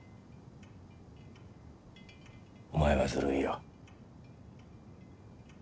お前はずるいよ。